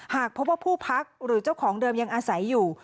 หากพบว่าผู้พักหรือเจ้าของเดิมยังอาศัยอยู่